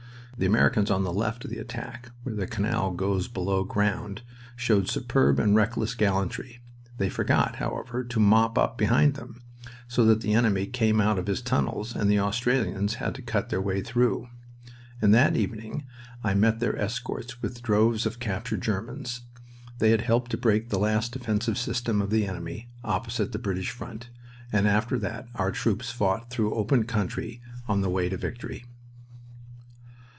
The Americans on the left of the attack, where the canal goes below ground, showed superb and reckless gallantry (they forgot, however, to "mop up" behind them, so that the enemy came out of his tunnels and the Australians had to cut their way through), and that evening I met their escorts with droves of captured Germans. They had helped to break the last defensive system of the enemy opposite the British front, and after that our troops fought through open country on the way to victory.